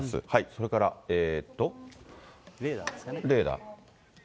それから、レーダー。